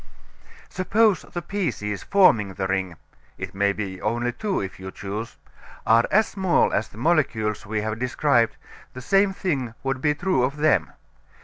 Suppose the pieces forming the ring it may be only two, if you choose are as small as the molecules we have described, the same thing would be true of them.